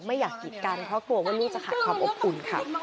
ไม่อยากกีดกันเพราะกลัวว่าลูกจะขาดความอบอุ่นค่ะ